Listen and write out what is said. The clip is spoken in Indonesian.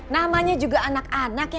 namanya juga anak anak ya